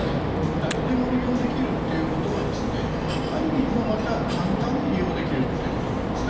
誰でも利用できるということは犯人もまた簡単に利用できるいうことなんですね。